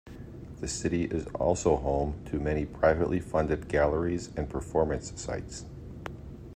The city is also home to many privately funded galleries and performance sites.